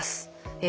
え